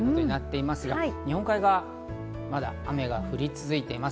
日本海側、まだ雨が降り続いています。